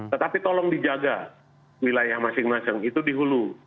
tetapi tolong dijaga wilayah masing masing itu dihulu